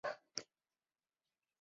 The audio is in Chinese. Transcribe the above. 担任天津滨海新区塘沽环卫工人。